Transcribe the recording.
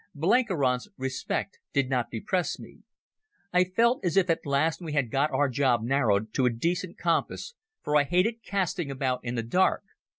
Blenkiron's respect did not depress me. I felt as if at last we had got our job narrowed to a decent compass, for I had hated casting about in the dark.